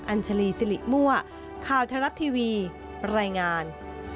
อัญชลีสิริมั่วข่าวไทยรัฐทีวีรายงาน